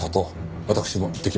私も行ってきました。